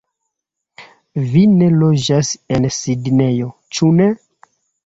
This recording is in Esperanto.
Vi ne loĝas en Sidnejo, ĉu ne?